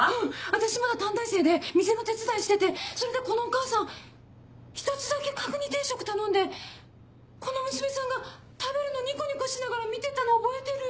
私まだ短大生で店の手伝いしててそれでこのお母さん１つだけ角煮定食頼んでこの娘さんが食べるのニコニコしながら見てたの覚えてる。